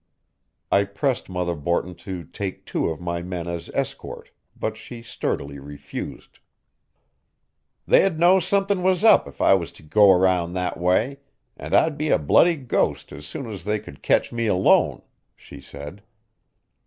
I pressed Mother Borton to take two of my men as escort, but she sturdily refused. "They'd know something was up if I was to go around that way, and I'd be a bloody ghost as soon as they could ketch me alone," she said.